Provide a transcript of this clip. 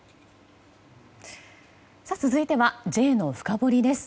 続いてはＪのフカボリです。